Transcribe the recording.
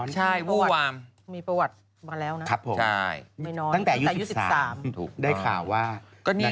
ใช่วู้วามมีประวัติมาแล้วนะไม่น้อยตั้งแต่๑๓ปีได้ข่าวว่านะครับ